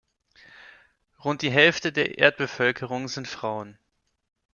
Rund die Hälfte der Erdbevölkerung sind Frauen.